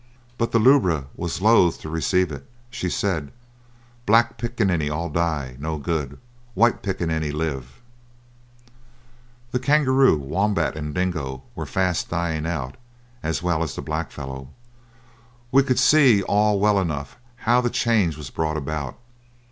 But the lubra was loath to receive it. She said, "Black picaninny all die. No good; white picaninny live." The kangaroo, wombat, and dingo were fast dying out, as well a the blackfellow. We could all see well enough how the change was brought about.